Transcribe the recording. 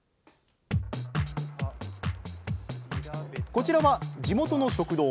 こちらは地元の食堂。